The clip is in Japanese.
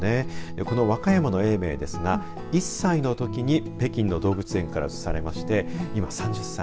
この和歌山の永明ですが１歳のときに北京の動物園から移されまして、今３０歳。